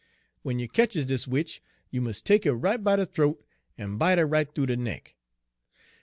W'en you ketches dis witch, you mus' take her right by de th'oat en bite her right th'oo de neck.